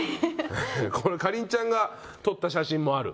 これ夏鈴ちゃんが撮った写真もある。